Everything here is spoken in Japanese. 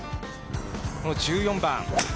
この１４番。